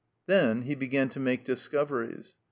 Then he began to make discoveries.